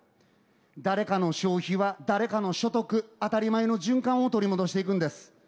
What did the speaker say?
誰かの消費は誰かの所得、当たり前の循環を取り戻していくんです。